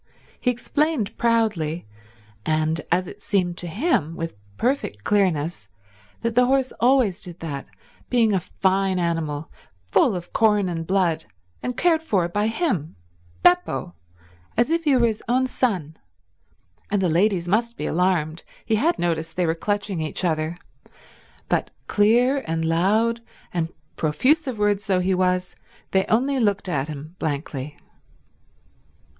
He explained proudly, and as it seemed to him with perfect clearness, that the horse always did that, being a fine animal full of corn and blood, and cared for by him, Beppo, as if he were his own son, and the ladies must be alarmed—he had noticed they were clutching each other; but clear, and loud, and profuse of words though he was, they only looked at him blankly.